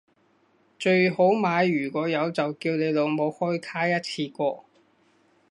最好買如果有就叫你老母開卡一次過